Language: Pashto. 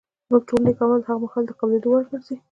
زموږ ټول نېک اعمال هغه مهال د قبلېدو وړ ګرځي